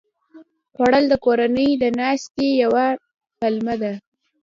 خوړل د کورنۍ د ناستې یوه پلمه ده